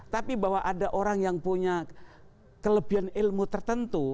tapi bahwa ada orang yang punya kelebihan ilmu tertentu